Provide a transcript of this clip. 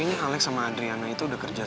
jangan lupa like share dan subscribe ya